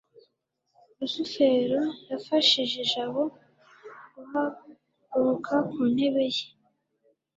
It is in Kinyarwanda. rusufero yafashije jabo guhaguruka ku ntebe ye